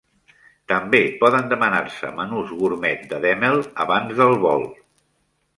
També poden demanar-se menús gurmet de Demel abans del vol.